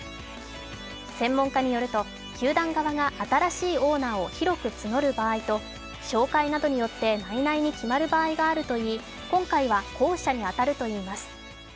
専門家によると、球団側が新しいオーナーを広く募る場合と紹介などによって内々に決まる場合があるといい今回は後者に当たるといいます。